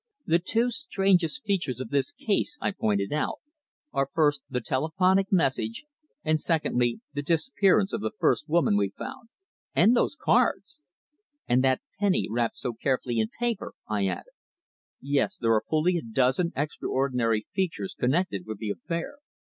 "The two strangest features of this case," I pointed out, "are first the telephonic message, and secondly, the disappearance of the first woman we found." "And those cards!" "And that penny wrapped so carefully in paper!" I added. "Yes, there are fully a dozen extraordinary features connected with the affair.